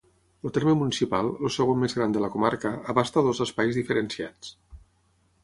El terme municipal, el segon més gran de la comarca, abasta dos espais diferenciats.